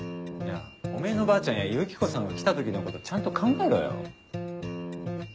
おめぇのばあちゃんやユキコさんが来た時のことちゃんと考えろよ。